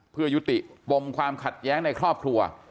เพื่อยุติปมความขัดแย้งในครอบครัว